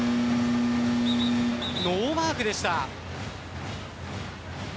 ノーマークでした。